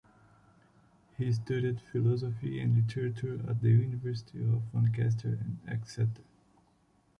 He studied philosophy and literature at the universities of Lancaster and Exeter.